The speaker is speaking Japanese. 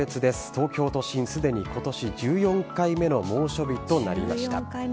東京都心、すでに今年１４回目の猛暑日となりました。